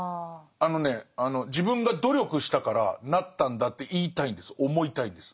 あのね「自分が努力したからなったんだ」って言いたいんです思いたいんです。